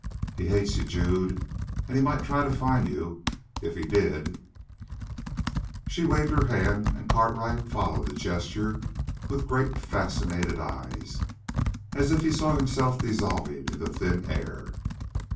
He hates you, Jude, and he might try to find you. If he did " She waved her hand, and Cartwright followed the gesture with great, fascinated eyes, as if he saw himself dissolving into thin air.